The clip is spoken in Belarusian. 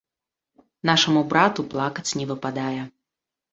Нашаму брату плакаць не выпадае.